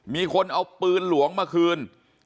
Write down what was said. มีคนเอาปืนหลวงมาคืน